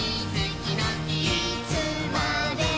「いつまでも」